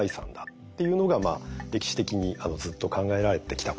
っていうのが歴史的にずっと考えられてきたことなんですよね。